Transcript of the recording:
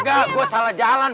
kagak gua salah jalan